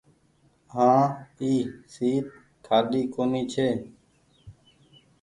هآن اي سيٽ کآلي ڪونيٚ ڇي۔